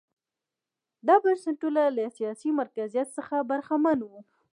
دا بنسټونه له سیاسي مرکزیت څخه برخمن وو.